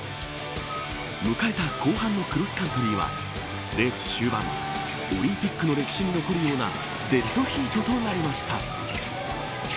迎えた後半のクロスカントリーはレース終盤オリンピックの歴史に残るようなデッドヒートとなりました。